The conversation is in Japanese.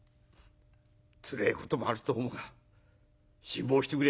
つれえこともあると思うが辛抱してくれ」。